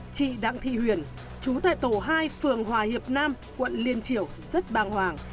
chị đăng thị huyền chú tại tổ hai phường hòa hiệp nam quận liên triểu rất bàng hoàng